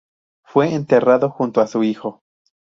Fue enterrado junto a su hijo.